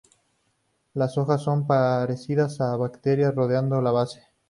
Las hojas son parecidas a brácteas rodeando la base.